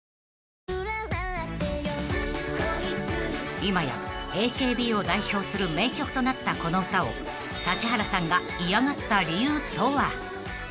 ［今やＡＫＢを代表する名曲となったこの歌を指原さんが嫌がった理由とは？］